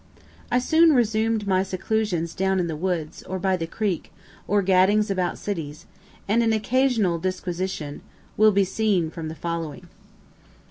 I soon resumed my seclusions down in the woods, or by the creek, or gaddings about cities, and an occasional disquisition, as will be seen following.